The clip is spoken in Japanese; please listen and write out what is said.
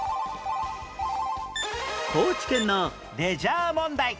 高知県のレジャー問題